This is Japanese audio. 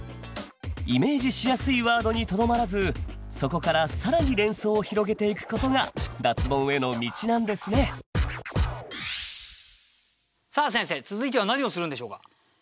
イメージしやすいワードにとどまらずそこから更に連想を広げていくことが脱ボンへの道なんですねさあ先生続いては何をするんでしょうか？